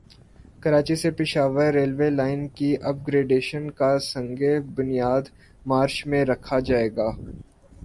کراچی سے Peshawar railway line کی upgradation کا سنگ بنیاد مارچ میں رکھا جائے گا